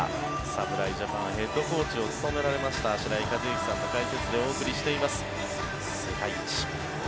侍ジャパンヘッドコーチを務められました白井一幸さんの解説でお送りしています。